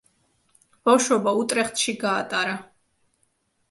ბავშვობა უტრეხტში გაატარა.